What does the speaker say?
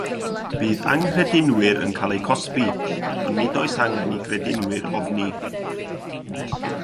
Bydd anghredinwyr yn cael eu cosbi, ond nid oes angen i gredinwyr ofni.